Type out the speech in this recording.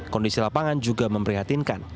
kondisi lapangan juga memprihatinkan